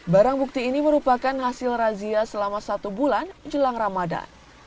barang bukti ini merupakan hasil razia selama satu bulan jelang ramadan